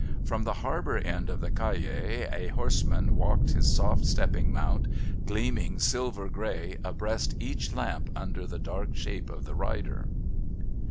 From the harbour end of the Calle a horseman walked his soft stepping mount, gleaming silver grey abreast each lamp under the dark shape of the rider."